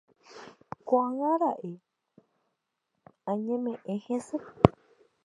Ko'ág̃a raẽ añeme'ẽ hese